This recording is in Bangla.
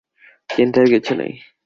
চিন্তার কিছু নেই।